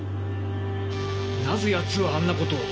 なぜやつはあんなことを？